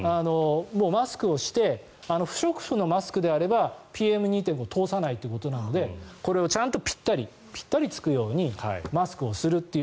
マスクをして不織布のマスクであればＰＭ２．５通さないということなのでこれをちゃんとぴったりつくようにマスクをするという。